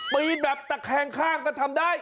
แบบตะแคงข้างก็ทำได้